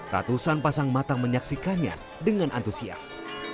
ratusan pasang matang menyaksikannya dengan antusias